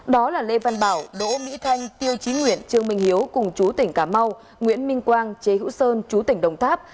đó là lê văn bảo đỗ mỹ thanh tiêu chí nguyễn trương minh hiếu cùng chú tỉnh cà mau nguyễn minh quang chế hữu sơn chú tỉnh đồng tháp